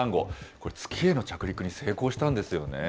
これ、月への着陸に成功したんですよね。